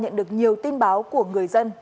nhận được nhiều tin báo của người dân